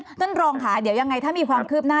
ท่านรองค่ะเดี๋ยวยังไงถ้ามีความคืบหน้า